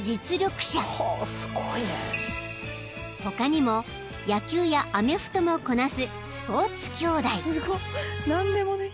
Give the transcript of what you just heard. ［他にも野球やアメフトもこなすスポーツ兄弟］